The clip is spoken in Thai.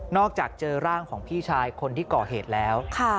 อกจากเจอร่างของพี่ชายคนที่ก่อเหตุแล้ว